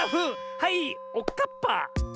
はいおっかっぱ！